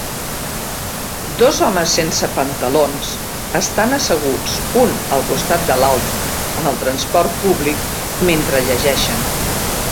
Dos homes sense pantalons estan asseguts un al costat de l'altre en el transport públic mentre llegeixen